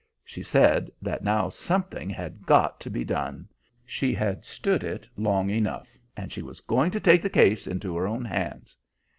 She said that now something had got to be done; she had stood it long enough; and she was going to take the case into her own hands.